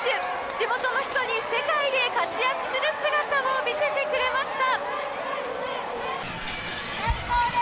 地元の人に世界で活躍する姿を見せてくれました。